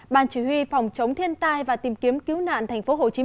ban chủ huy phòng chống thiên tai và tìm kiếm cứu nạn thành phố hồ chí minh